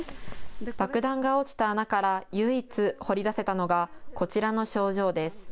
爆弾が落ちた穴から唯一、掘り出せたのがこちらの賞状です。